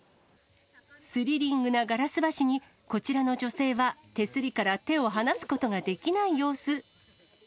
スリリングなガラス橋に、こちらの女性は手すりから手を離すことができない様子。